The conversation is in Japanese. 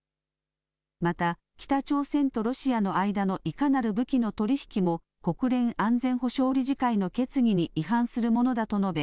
また北朝鮮とロシアの間のいかなる武器の取り引きも国連安全保障理事会の決議に違反するものだと述べ